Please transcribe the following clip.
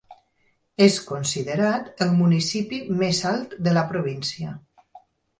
És considerat el municipi més alt de la província.